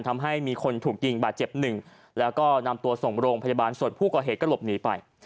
ทำให้มีคนถูกยิงบาดเจ็บหนึ่งแล้วก็นำตัวส่งโรงพยาบาลส่วนผู้ก่อเหตุก็หลบหนีไป